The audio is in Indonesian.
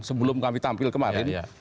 sebelum kami tampil kemarin